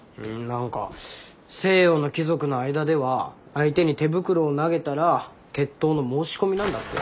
何か西洋の貴族の間では相手に手袋を投げたら決闘の申し込みなんだって。